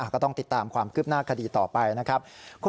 ก็ต้องติดตามความคืบหน้าคดีต่อไปนะครับ